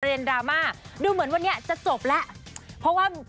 ประเด็นดราม่าเด้อเหมือนวันนี้จะจบแล้ว